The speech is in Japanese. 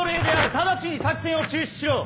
直ちに作戦を中止しろ。